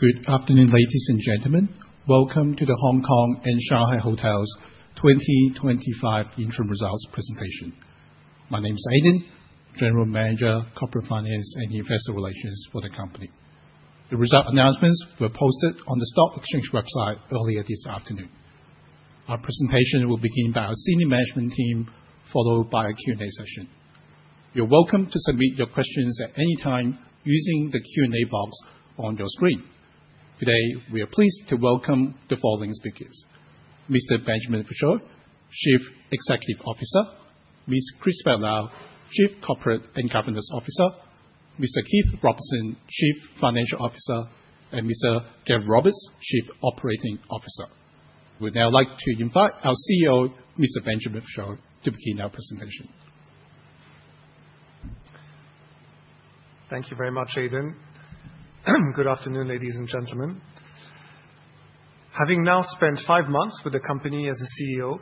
Good afternoon, ladies and gentlemen. Welcome to The Hongkong and Shanghai Hotels 2025 interim results presentation. My name is Aiden, General Manager, Corporate Finance and Investor Relations for the company. The result announcements were posted on the stock exchange website earlier this afternoon. Our presentation will begin by our Senior Management Team, followed by a Q&A session. You're welcome to submit your questions at any time using the Q&A box on your screen. Today, we are pleased to welcome the following speakers: Mr. Benjamin Vuchot, Chief Executive Officer, Ms. Christobelle Liao, Chief Corporate and Governance Officer, Mr. Keith Robinson, Chief Financial Officer, and Mr. Gareth Roberts, Chief Operating Officer. We'd now like to invite our CEO, Mr. Benjamin Vuchot, to begin our presentation. Thank you very much, Aiden. Good afternoon, ladies and gentlemen. Having now spent five months with the company as CEO,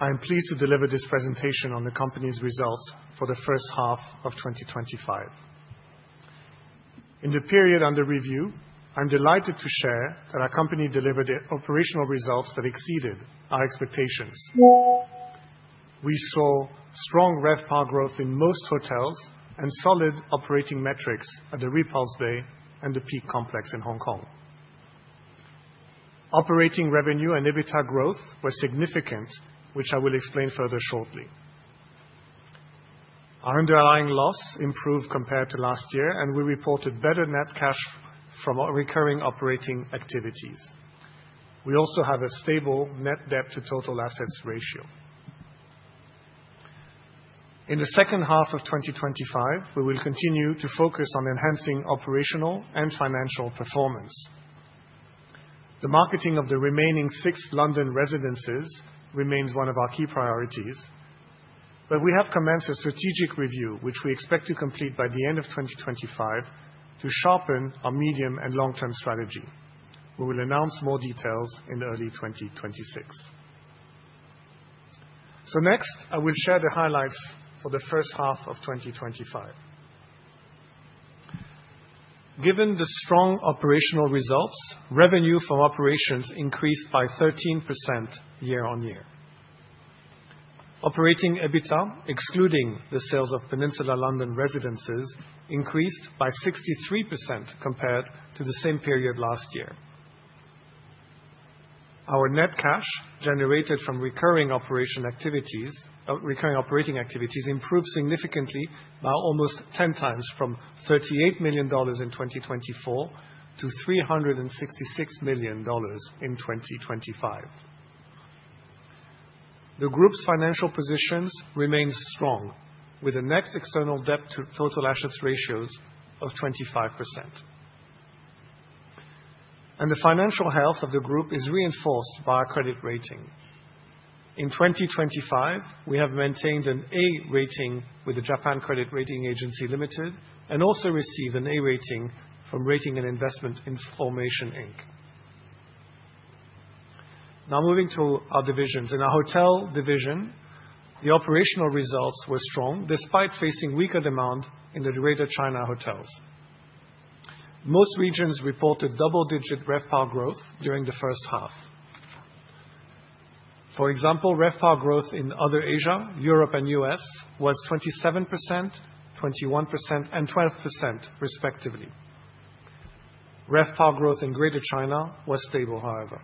I am pleased to deliver this presentation on the company's results for the first half of 2025. In the period under review, I'm delighted to share that our company delivered operational results that exceeded our expectations. We saw strong RevPAR growth in most hotels and solid operating metrics at The Repulse Bay and the Peak Complex in Hong Kong. Operating revenue and EBITDA growth were significant, which I will explain further shortly. Our underlying loss improved compared to last year, and we reported better net cash from recurring operating activities. We also have a stable net debt-to-total assets ratio. In the second half of 2025, we will continue to focus on enhancing operational and financial performance. The marketing of the remaining six London residences remains one of our key priorities, but we have commenced a strategic review, which we expect to complete by the end of 2025, to sharpen our medium and long-term strategy. We will announce more details in early 2026. So next, I will share the highlights for the first half of 2025. Given the strong operational results, revenue from operations increased by 13% year-on-year. Operating EBITDA, excluding the sales of Peninsula London Residences, increased by 63% compared to the same period last year. Our net cash generated from recurring operating activities improved significantly by almost 10x from 38 million dollars in 2024 to 366 million dollars in 2025. The Group's financial positions remain strong, with the net external debt-to-total assets ratios of 25%. And the financial health of the Group is reinforced by our credit rating. In 2025, we have maintained an A rating with the Japan Credit Rating Agency Limited and also received an A rating from Rating and Investment Information, Inc. Now moving to our divisions. In our hotel division, the operational results were strong despite facing weaker demand in the Greater China Hotels. Most regions reported double-digit RevPAR growth during the first half. For example, RevPAR growth in Other Asia, Europe, and U.S. was 27%, 21%, and 12%, respectively. RevPAR growth in Greater China was stable, however.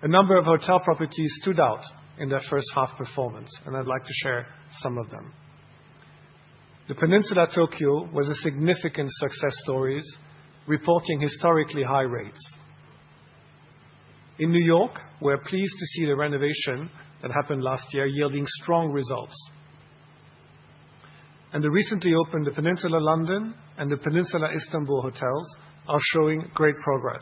A number of hotel properties stood out in their first half performance, and I'd like to share some of them. The Peninsula Tokyo was a significant success story, reporting historically high rates. In New York, we're pleased to see the renovation that happened last year yielding strong results. And the recently opened Peninsula London and the Peninsula Istanbul Hotels are showing great progress.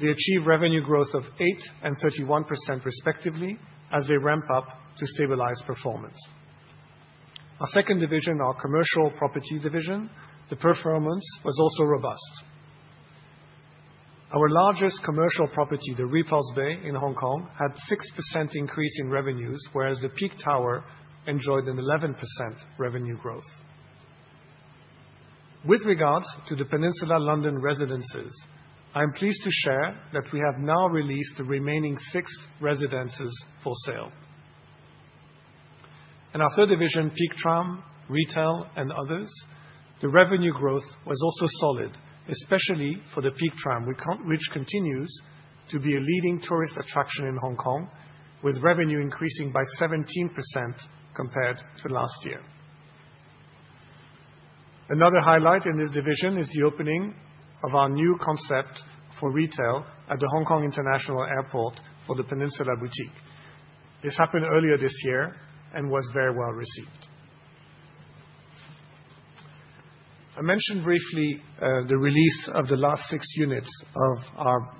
They achieved revenue growth of 8% and 31%, respectively, as they ramp up to stabilize performance. Our second division, our Commercial Property Division, the performance was also robust. Our largest commercial property, The Repulse Bay in Hong Kong, had a 6% increase in revenues, whereas The Peak Tower enjoyed an 11% revenue growth. With regards to the Peninsula London Residences, I'm pleased to share that we have now released the remaining six residences for sale. In our third division, The Peak Tram, Retail, and others, the revenue growth was also solid, especially for The Peak Tram, which continues to be a leading tourist attraction in Hong Kong, with revenue increasing by 17% compared to last year. Another highlight in this division is the opening of our new concept for retail at the Hong Kong International Airport for the Peninsula Boutique. This happened earlier this year and was very well received. I mentioned briefly the release of the last six units of our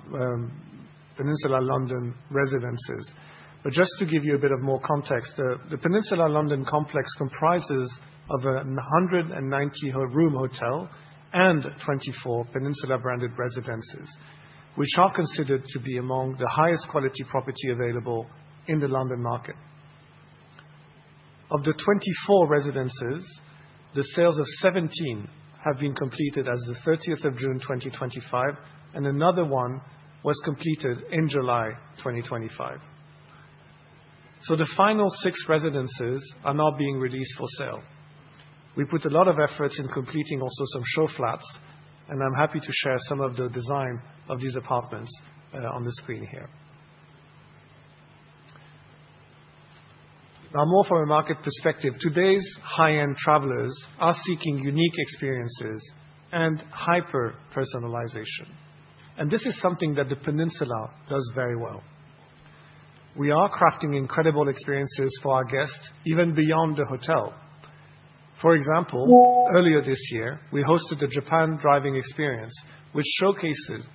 Peninsula London Residences, but just to give you a bit of more context, the Peninsula London complex comprises of a 190-room hotel and 24 Peninsula-branded residences, which are considered to be among the highest quality property available in the London market. Of the 24 residences, the sales of 17 have been completed as of the 30th of June 2025, and another one was completed in July 2025. So the final six residences are now being released for sale. We put a lot of efforts in completing also some show flats, and I'm happy to share some of the design of these apartments on the screen here. Now, more from a market perspective, today's high-end travelers are seeking unique experiences and hyper-personalization, and this is something that the Peninsula does very well. We are crafting incredible experiences for our guests even beyond the hotel. For example, earlier this year, we hosted a Japan driving experience, which showcased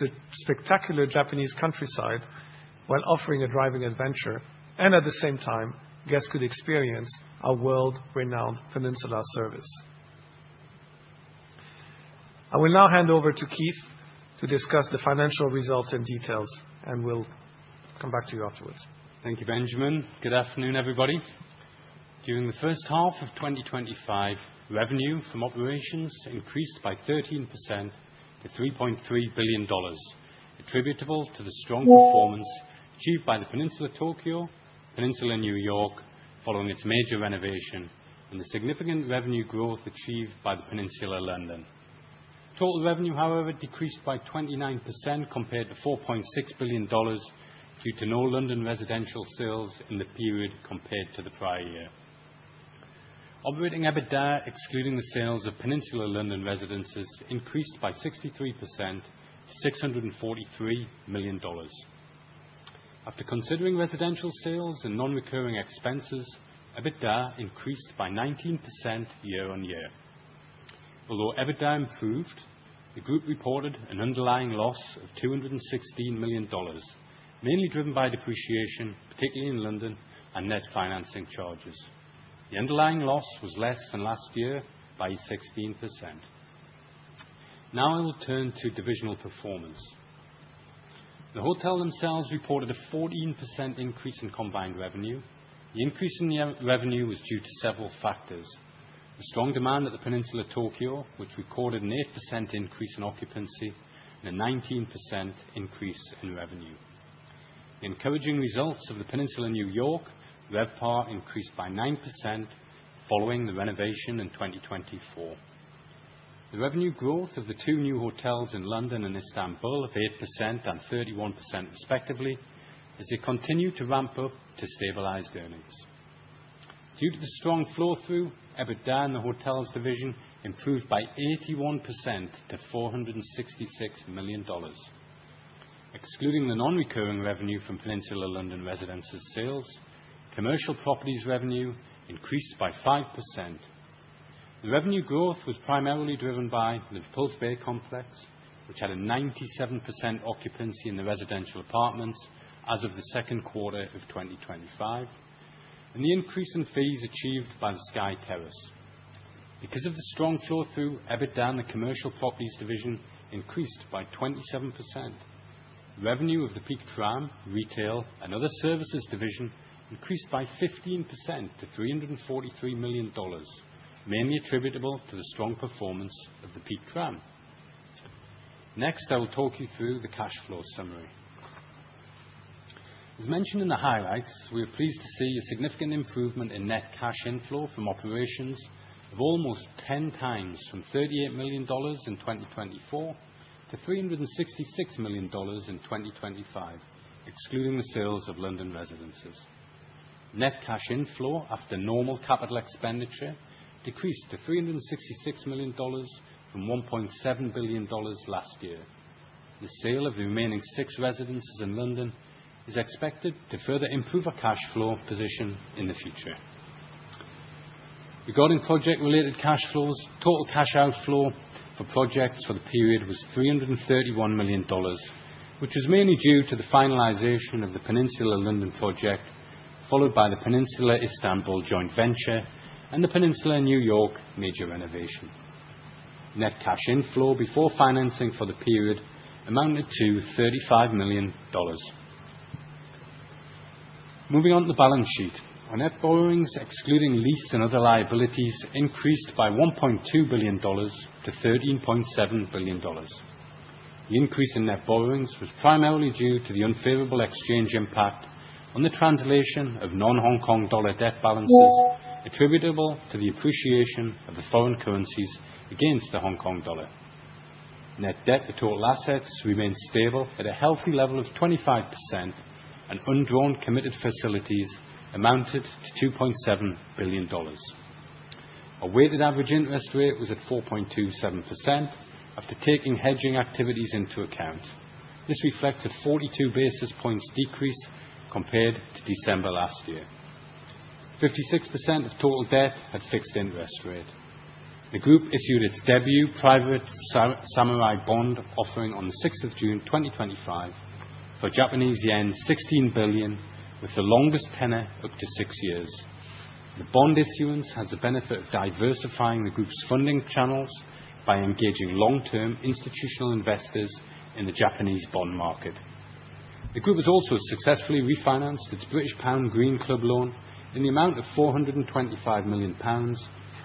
the spectacular Japanese countryside while offering a driving adventure, and at the same time, guests could experience our world-renowned Peninsula service. I will now hand over to Keith to discuss the financial results and details, and we'll come back to you afterwards. Thank you, Benjamin. Good afternoon, everybody. During the first half of 2025, revenue from operations increased by 13% to 3.3 billion dollars, attributable to the strong performance achieved by the Peninsula Tokyo, Peninsula New York, following its major renovation, and the significant revenue growth achieved by the Peninsula London. Total revenue, however, decreased by 29% compared to 4.6 billion dollars due to no London residential sales in the period compared to the prior year. Operating EBITDA, excluding the sales of Peninsula London Residences, increased by 63% to 643 million dollars. After considering residential sales and non-recurring expenses, EBITDA increased by 19% year-on-year. Although EBITDA improved, the Group reported an underlying loss of 216 million dollars, mainly driven by depreciation, particularly in London and net financing charges. The underlying loss was less than last year by 16%. Now I will turn to divisional performance. The hotels themselves reported a 14% increase in combined revenue. The increase in revenue was due to several factors: the strong demand at The Peninsula Tokyo, which recorded an 8% increase in occupancy, and a 19% increase in revenue. Encouraging results of The Peninsula New York, RevPAR increased by 9% following the renovation in 2024. The revenue growth of the two new hotels in London and Istanbul of 8% and 31%, respectively, as they continue to ramp up to stabilized earnings. Due to the strong flow-through, EBITDA in the hotels division improved by 81% to $466 million. Excluding the non-recurring revenue from Peninsula London Residences sales, commercial properties revenue increased by 5%. The revenue growth was primarily driven by The Repulse Bay complex, which had a 97% occupancy in the residential apartments as of the second quarter of 2025, and the increase in fees achieved by the Sky Terrace. Because of the strong flow-through, EBITDA in the commercial properties division increased by 27%. Revenue of The Peak Tram, Retail, and Other Services division increased by 15% to 343 million dollars, mainly attributable to the strong performance of The Peak Tram. Next, I will talk you through the cash flow summary. As mentioned in the highlights, we are pleased to see a significant improvement in net cash inflow from operations of almost 10 times, from 38 million dollars in 2024 to 366 million dollars in 2025, excluding the sales of London residences. Net cash inflow, after normal capital expenditure, decreased to 366 million dollars from 1.7 billion dollars last year. The sale of the remaining six residences in London is expected to further improve our cash flow position in the future. Regarding project-related cash flows, total cash outflow for projects for the period was 331 million dollars, which was mainly due to the finalization of the Peninsula London project, followed by the Peninsula Istanbul joint venture and the Peninsula New York major renovation. Net cash inflow before financing for the period amounted to 35 million dollars. Moving on to the balance sheet, our net borrowings, excluding lease and other liabilities, increased by 1.2 billion dollars to 13.7 billion dollars. The increase in net borrowings was primarily due to the unfavorable exchange impact on the translation of non-Hong Kong dollar debt balances, attributable to the appreciation of the foreign currencies against the Hong Kong dollar. Net debt-to-total assets remained stable at a healthy level of 25%, and undrawn committed facilities amounted to 2.7 billion dollars. Our weighted average interest rate was at 4.27% after taking hedging activities into account. This reflects a 42 basis points decrease compared to December last year. 56% of total debt had fixed interest rate. The Group issued its debut private Samurai bond offering on the 6th of June 2025 for Japanese yen 16 billion, with the longest tenor up to six years. The bond issuance has the benefit of diversifying the Group's funding channels by engaging long-term institutional investors in the Japanese bond market. The Group has also successfully refinanced its British Pound Green Club loan in the amount of 425 million pounds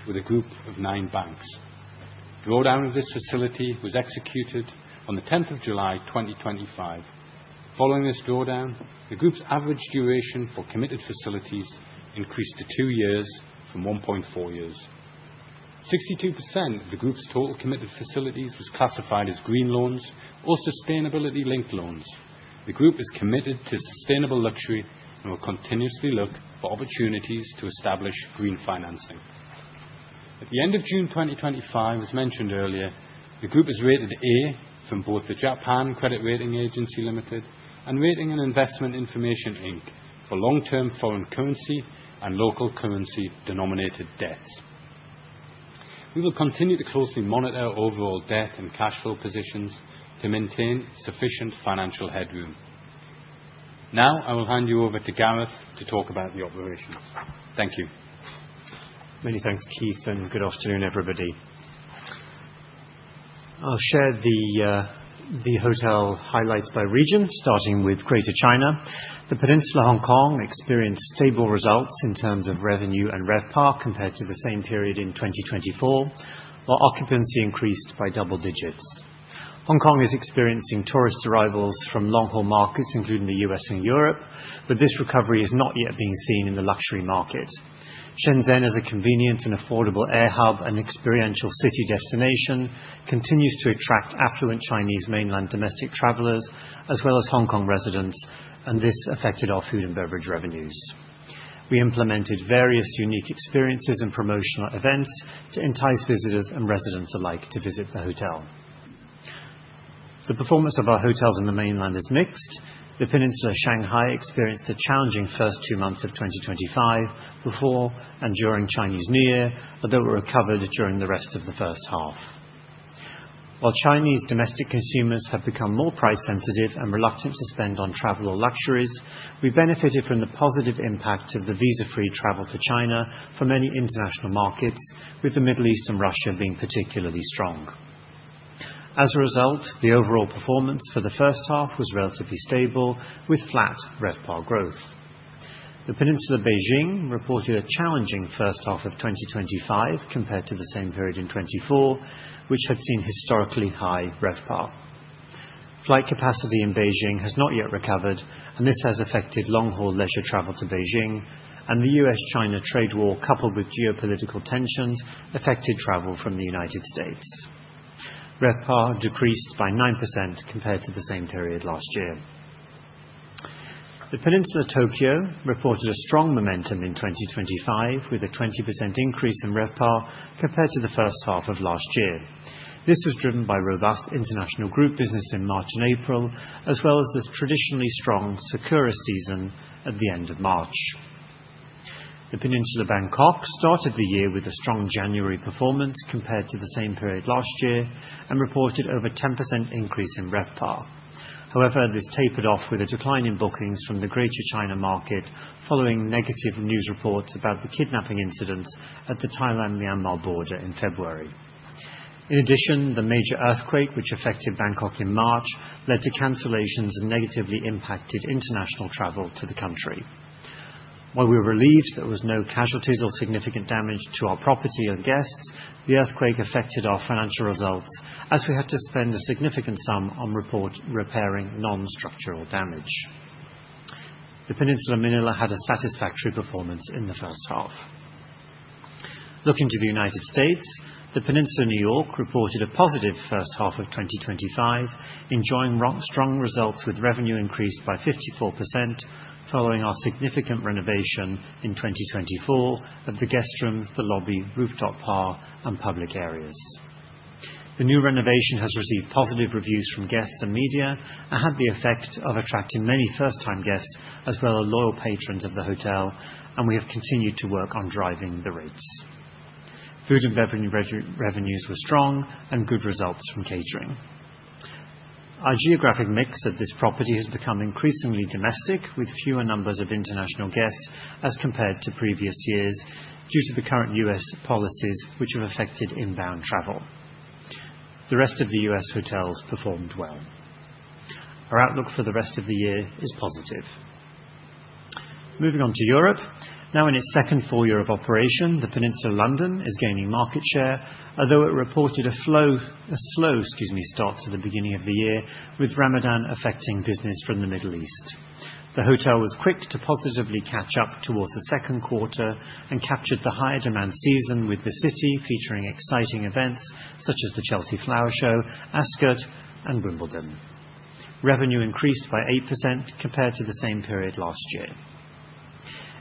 with a group of nine banks. Drawdown of this facility was executed on the 10th of July 2025. Following this drawdown, the Group's average duration for committed facilities increased to two years from 1.4 years. 62% of the Group's total committed facilities was classified as green loans or sustainability-linked loans. The Group is committed to sustainable luxury and will continuously look for opportunities to establish green financing. At the end of June 2025, as mentioned earlier, the Group is rated A from both the Japan Credit Rating Agency, Ltd. and Rating and Investment Information, Inc. for long-term foreign currency and local currency-denominated debts. We will continue to closely monitor overall debt and cash flow positions to maintain sufficient financial headroom. Now I will hand you over to Gareth to talk about the operations. Thank you. Many thanks, Keith, and good afternoon, everybody. I'll share the hotel highlights by region, starting with Greater China. The Peninsula Hong Kong experienced stable results in terms of revenue and RevPAR compared to the same period in 2024, while occupancy increased by double digits. Hong Kong is experiencing tourist arrivals from long-haul markets, including the U.S. and Europe, but this recovery is not yet being seen in the luxury market. Shenzhen, as a convenient and affordable air hub and experiential city destination, continues to attract affluent Chinese mainland domestic travelers as well as Hong Kong residents, and this affected our food and beverage revenues. We implemented various unique experiences and promotional events to entice visitors and residents alike to visit the hotel. The performance of our hotels in the mainland is mixed. The Peninsula Shanghai experienced a challenging first two months of 2025 before and during Chinese New Year, although it recovered during the rest of the first half. While Chinese domestic consumers have become more price-sensitive and reluctant to spend on travel or luxuries, we benefited from the positive impact of the visa-free travel to China for many international markets, with the Middle East and Russia being particularly strong. As a result, the overall performance for the first half was relatively stable, with flat RevPAR growth. The Peninsula Beijing reported a challenging first half of 2025 compared to the same period in 2024, which had seen historically high RevPAR. Flight capacity in Beijing has not yet recovered, and this has affected long-haul leisure travel to Beijing, and the U.S.-China trade war, coupled with geopolitical tensions, affected travel from the United States. RevPAR decreased by 9% compared to the same period last year. The Peninsula Tokyo reported a strong momentum in 2025, with a 20% increase in RevPAR compared to the first half of last year. This was driven by robust international group business in March and April, as well as the traditionally strong sakura season at the end of March. The Peninsula Bangkok started the year with a strong January performance compared to the same period last year and reported over a 10% increase in RevPAR. However, this tapered off with a decline in bookings from the Greater China market following negative news reports about the kidnapping incidents at the Thailand-Myanmar border in February. In addition, the major earthquake, which affected Bangkok in March, led to cancellations and negatively impacted international travel to the country. While we were relieved that there were no casualties or significant damage to our property or guests, the earthquake affected our financial results as we had to spend a significant sum on repairing non-structural damage. The Peninsula Manila had a satisfactory performance in the first half. Looking to the United States, The Peninsula New York reported a positive first half of 2025, enjoying strong results with revenue increased by 54% following our significant renovation in 2024 of the guestrooms, the lobby, rooftop bar, and public areas. The new renovation has received positive reviews from guests and media and had the effect of attracting many first-time guests as well as loyal patrons of the hotel, and we have continued to work on driving the rates. Food and beverage revenues were strong and good results from catering. Our geographic mix at this property has become increasingly domestic, with fewer numbers of international guests as compared to previous years due to the current U.S. policies, which have affected inbound travel. The rest of the U.S. hotels performed well. Our outlook for the rest of the year is positive. Moving on to Europe, now in its second full year of operation, the Peninsula London is gaining market share, although it reported a slow start to the beginning of the year, with Ramadan affecting business from the Middle East. The hotel was quick to positively catch up towards the second quarter and captured the higher demand season, with the city featuring exciting events such as the Chelsea Flower Show, Ascot, and Wimbledon. Revenue increased by 8% compared to the same period last year.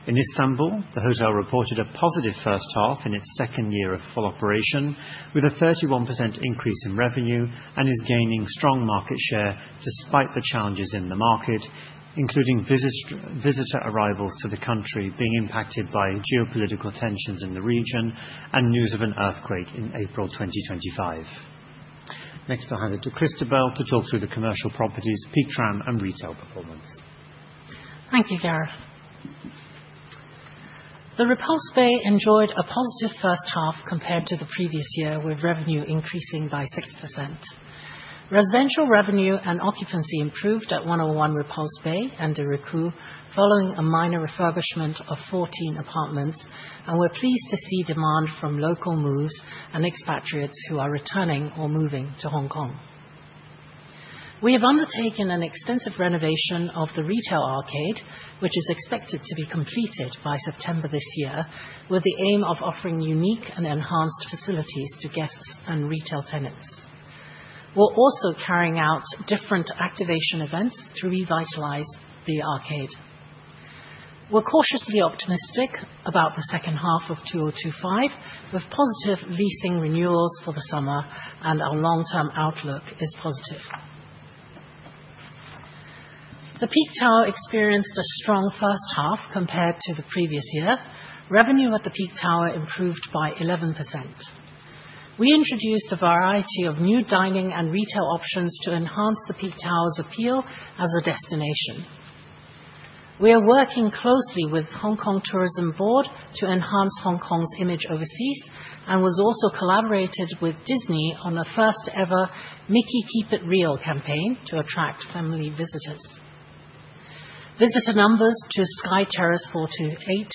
In Istanbul, the hotel reported a positive first half in its second year of full operation, with a 31% increase in revenue, and is gaining strong market share despite the challenges in the market, including visitor arrivals to the country being impacted by geopolitical tensions in the region and news of an earthquake in April 2025. Next, I'll hand it to Christobelle to talk through the commercial properties, Peak Tram, and retail performance. Thank you, Gareth. The Repulse Bay enjoyed a positive first half compared to the previous year, with revenue increasing by 6%. Residential revenue and occupancy improved at 101 Repulse Bay and de Ricou following a minor refurbishment of 14 apartments, and we're pleased to see demand from local moves and expatriates who are returning or moving to Hong Kong. We have undertaken an extensive renovation of the retail arcade, which is expected to be completed by September this year, with the aim of offering unique and enhanced facilities to guests and retail tenants. We're also carrying out different activation events to revitalize the arcade. We're cautiously optimistic about the second half of 2025, with positive leasing renewals for the summer, and our long-term outlook is positive. The Peak Tower experienced a strong first half compared to the previous year. Revenue at the Peak Tower improved by 11%. We introduced a variety of new dining and retail options to enhance The Peak Tower's appeal as a destination. We are working closely with Hong Kong Tourism Board to enhance Hong Kong's image overseas and we also collaborated with Disney on a first-ever Mickey Keep It Real campaign to attract family visitors. Visitor numbers to Sky Terrace 428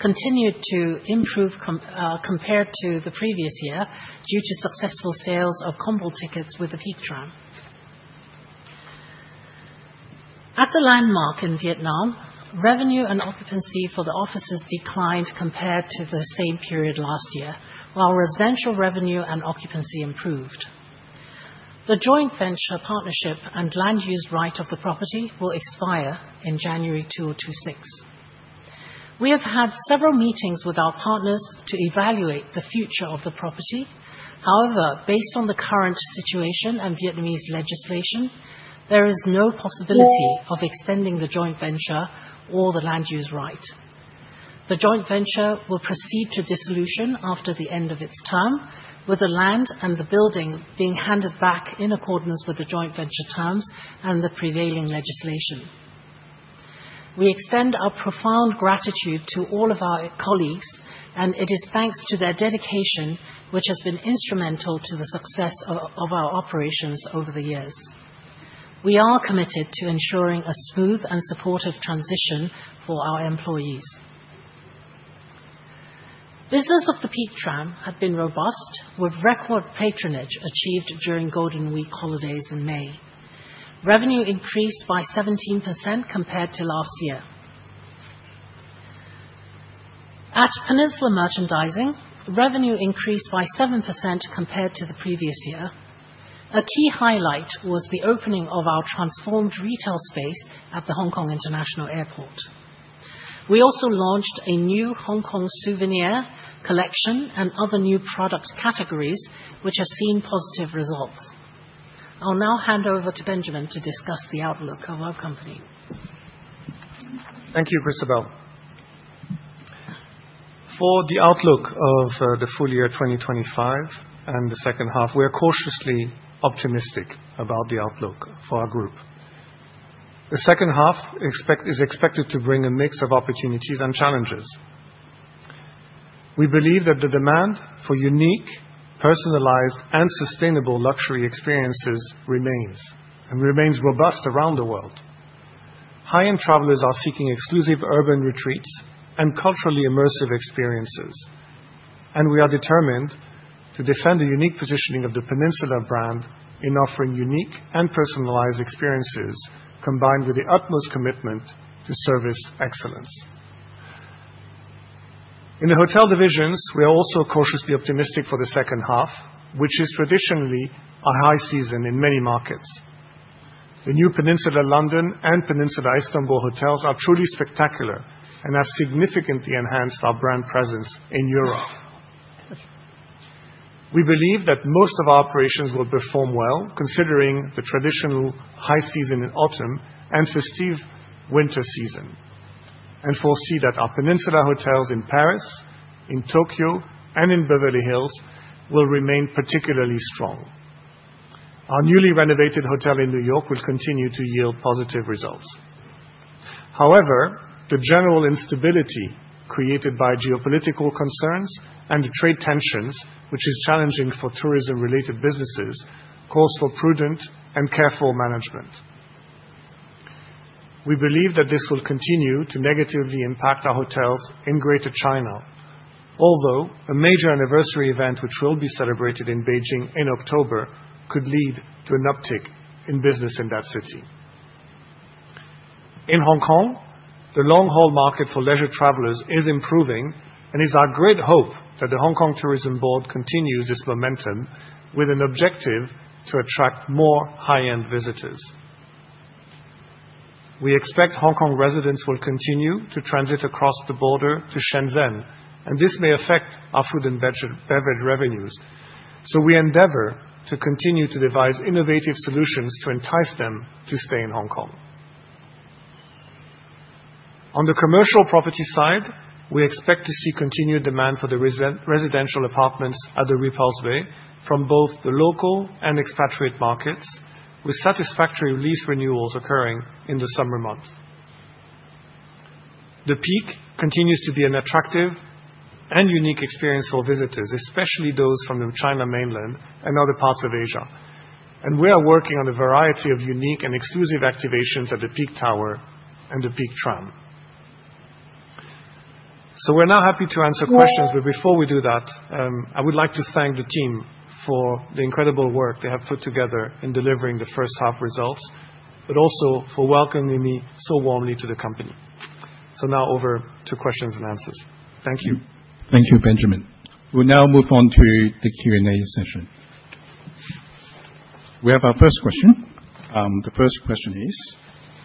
continued to improve compared to the previous year due to successful sales of combo tickets with The Peak Tram. At The Landmark in Vietnam, revenue and occupancy for the offices declined compared to the same period last year, while residential revenue and occupancy improved. The joint venture partnership and land use right of the property will expire in January 2026. We have had several meetings with our partners to evaluate the future of the property. However, based on the current situation and Vietnamese legislation, there is no possibility of extending the joint venture or the land use right. The joint venture will proceed to dissolution after the end of its term, with the land and the building being handed back in accordance with the joint venture terms and the prevailing legislation. We extend our profound gratitude to all of our colleagues, and it is thanks to their dedication which has been instrumental to the success of our operations over the years. We are committed to ensuring a smooth and supportive transition for our employees. Business of the Peak Tram had been robust, with record patronage achieved during Golden Week holidays in May. Revenue increased by 17% compared to last year. At Peninsula Merchandising, revenue increased by 7% compared to the previous year. A key highlight was the opening of our transformed retail space at the Hong Kong International Airport. We also launched a new Hong Kong souvenir collection and other new product categories, which have seen positive results. I'll now hand over to Benjamin to discuss the outlook of our company. Thank you, Christobelle. For the outlook of the full year 2025 and the second half, we are cautiously optimistic about the outlook for our group. The second half is expected to bring a mix of opportunities and challenges. We believe that the demand for unique, personalized, and sustainable luxury experiences remains and remains robust around the world. High-end travelers are seeking exclusive urban retreats and culturally immersive experiences, and we are determined to defend the unique positioning of the Peninsula brand in offering unique and personalized experiences combined with the utmost commitment to service excellence. In the hotel divisions, we are also cautiously optimistic for the second half, which is traditionally a high season in many markets. The new Peninsula London and Peninsula Istanbul hotels are truly spectacular and have significantly enhanced our brand presence in Europe. We believe that most of our operations will perform well, considering the traditional high season in autumn and festive winter season, and foresee that our Peninsula hotels in Paris, in Tokyo, and in Beverly Hills will remain particularly strong. Our newly renovated hotel in New York will continue to yield positive results. However, the general instability created by geopolitical concerns and trade tensions, which is challenging for tourism-related businesses, calls for prudent and careful management. We believe that this will continue to negatively impact our hotels in Greater China, although a major anniversary event, which will be celebrated in Beijing in October, could lead to an uptick in business in that city. In Hong Kong, the long-haul market for leisure travelers is improving, and it's our great hope that the Hong Kong Tourism Board continues this momentum with an objective to attract more high-end visitors. We expect Hong Kong residents will continue to transit across the border to Shenzhen, and this may affect our food and beverage revenues, so we endeavor to continue to devise innovative solutions to entice them to stay in Hong Kong. On the commercial property side, we expect to see continued demand for the residential apartments at The Repulse Bay from both the local and expatriate markets, with satisfactory lease renewals occurring in the summer months. The Peak continues to be an attractive and unique experience for visitors, especially those from the China mainland and other parts of Asia, and we are working on a variety of unique and exclusive activations at The Peak Tower and The Peak Tram. So we're now happy to answer questions, but before we do that, I would like to thank the team for the incredible work they have put together in delivering the first half results, but also for welcoming me so warmly to the company. So now over to questions and answers. Thank you. Thank you, Benjamin. We'll now move on to the Q&A session. We have our first question. The first question is,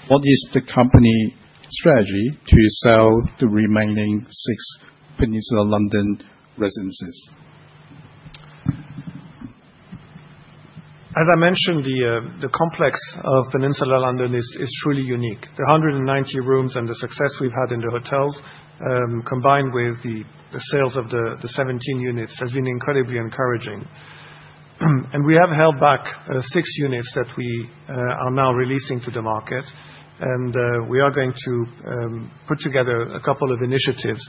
what is the company's strategy to sell the remaining six Peninsula London Residences? As I mentioned, the complex of Peninsula London is truly unique. The 190 rooms and the success we've had in the hotels, combined with the sales of the 17 units, has been incredibly encouraging. And we have held back six units that we are now releasing to the market, and we are going to put together a couple of initiatives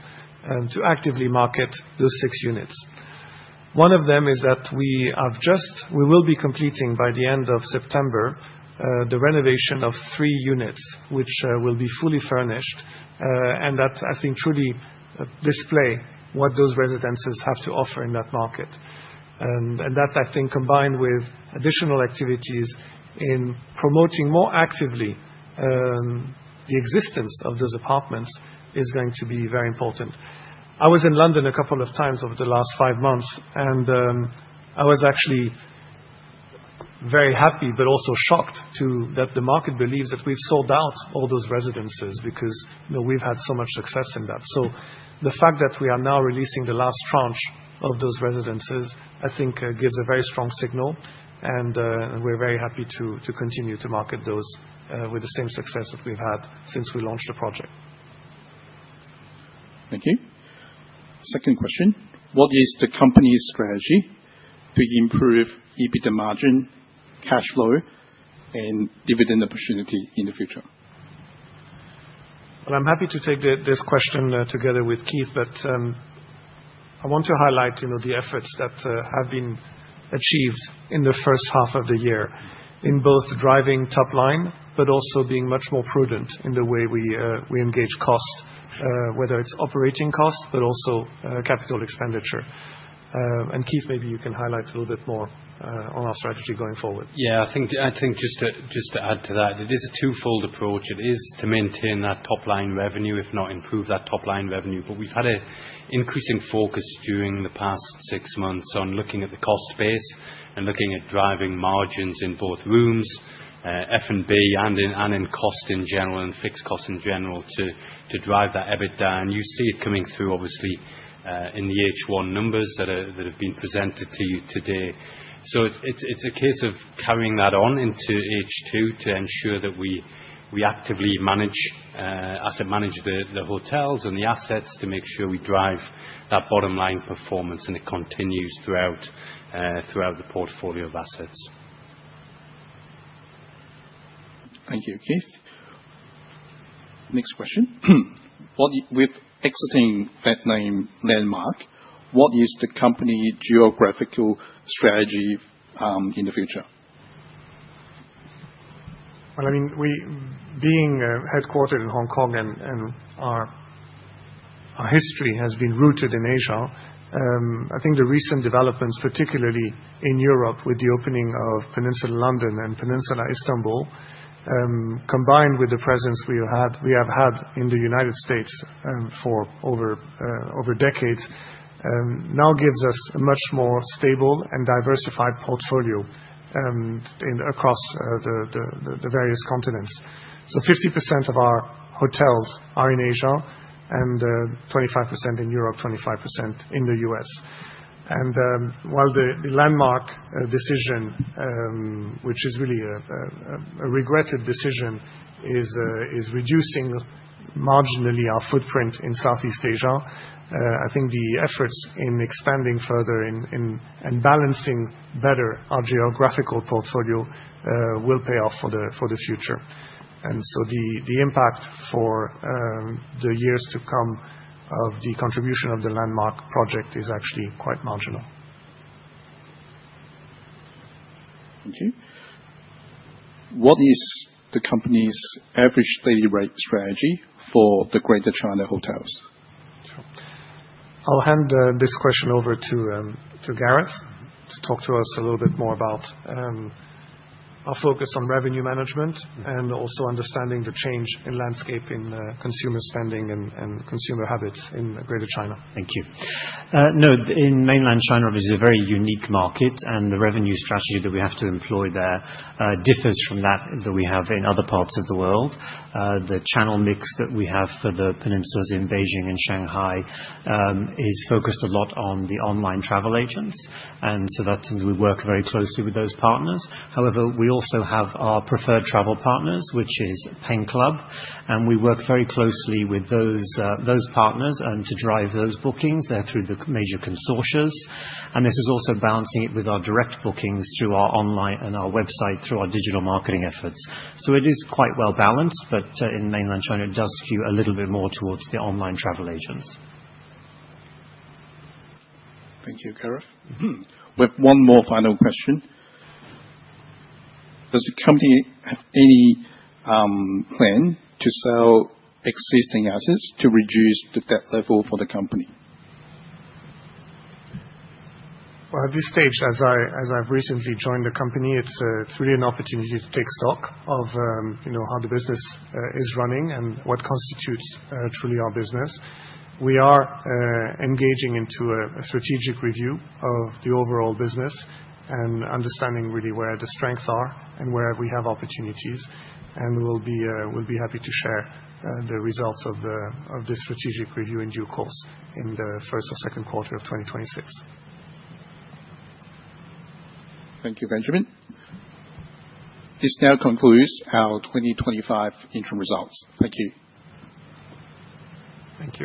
to actively market those six units. One of them is that we will be completing by the end of September the renovation of three units, which will be fully furnished, and that, I think, truly displays what those residences have to offer in that market. And that, I think, combined with additional activities in promoting more actively the existence of those apartments, is going to be very important. I was in London a couple of times over the last five months, and I was actually very happy, but also shocked that the market believes that we've sold out all those residences because we've had so much success in that. So the fact that we are now releasing the last tranche of those residences, I think, gives a very strong signal, and we're very happy to continue to market those with the same success that we've had since we launched the project. Thank you. Second question, what is the company's strategy to improve EBITDA margin, cash flow, and dividend opportunity in the future? I'm happy to take this question together with Keith, but I want to highlight the efforts that have been achieved in the first half of the year in both driving top line, but also being much more prudent in the way we engage costs, whether it's operating costs, but also capital expenditure. And Keith, maybe you can highlight a little bit more on our strategy going forward. Yeah, I think just to add to that, it is a twofold approach. It is to maintain that top line revenue, if not improve that top line revenue, but we've had an increasing focus during the past six months on looking at the cost base and looking at driving margins in both rooms, F&B, and in cost in general, and fixed cost in general, to drive that EBITDA. And you see it coming through, obviously, in the H1 numbers that have been presented to you today. So it's a case of carrying that on into H2 to ensure that we actively manage, asset manage the hotels and the assets to make sure we drive that bottom line performance and it continues throughout the portfolio of assets. Thank you, Keith. Next question, with exiting that Landmark, what is the company's geographical strategy in the future? I mean, being headquartered in Hong Kong and our history has been rooted in Asia, I think the recent developments, particularly in Europe with the opening of Peninsula London and Peninsula Istanbul, combined with the presence we have had in the United States for over decades, now gives us a much more stable and diversified portfolio across the various continents, so 50% of our hotels are in Asia and 25% in Europe, 25% in the U.S. And while the Landmark decision, which is really a regretted decision, is reducing marginally our footprint in Southeast Asia, I think the efforts in expanding further and balancing better our geographical portfolio will pay off for the future. And so the impact for the years to come of the contribution of the Landmark project is actually quite marginal. Thank you. What is the company's average daily rate strategy for the Greater China hotels? I'll hand this question over to Gareth to talk to us a little bit more about our focus on revenue management and also understanding the change in landscape in consumer spending and consumer habits in Greater China. Thank you. No, in mainland China, obviously, it's a very unique market, and the revenue strategy that we have to employ there differs from that that we have in other parts of the world. The channel mix that we have for the Peninsulas in Beijing and Shanghai is focused a lot on the online travel agents, and so that means we work very closely with those partners. However, we also have our preferred travel partners, which is PenClub, and we work very closely with those partners to drive those bookings. They're through the major consortia, and this is also balancing it with our direct bookings through our online and our website through our digital marketing efforts. So it is quite well balanced, but in mainland China, it does skew a little bit more towards the online travel agents. Thank you, Gareth. We have one more final question. Does the company have any plan to sell existing assets to reduce the debt level for the company? At this stage, as I've recently joined the company, it's really an opportunity to take stock of how the business is running and what constitutes truly our business. We are engaging into a strategic review of the overall business and understanding really where the strengths are and where we have opportunities, and we'll be happy to share the results of this strategic review in due course in the first or second quarter of 2026. Thank you, Benjamin. This now concludes our 2025 interim results. Thank you. Thank you.